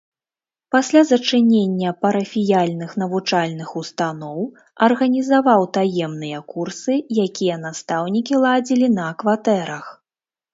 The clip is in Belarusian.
Пасля зачынення парафіяльных навучальных устаноў арганізаваў таемныя курсы, якія настаўнікі ладзілі на кватэрах.